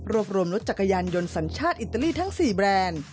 รวมรวมรถจักรยานยนต์สัญชาติอิตาลีทั้ง๔แบรนด์